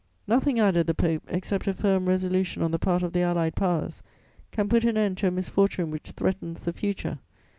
"'Nothing,' added the Pope, 'except a firm resolution on the part of the Allied Powers, can put an end to a misfortune which threatens the future.